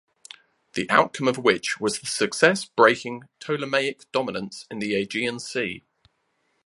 The outcome of which was the success breaking Ptolemaic dominance in the Aegean Sea.